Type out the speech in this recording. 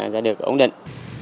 giải được ổn định